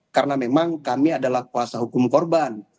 karena memang kami adalah kuasa hukum korban